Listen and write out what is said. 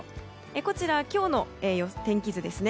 こちら今日の天気図ですね。